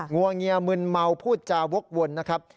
วงเงียมึนเมาพูดจาวกวนนะครับ